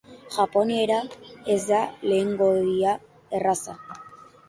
Japoniera ez da lengoaia erraza.